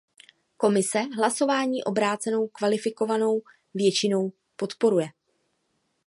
Komise hlasování obrácenou kvalifikovanou většinou podporuje.